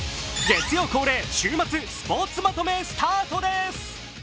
月曜恒例、週末スポーツまとめスタートです。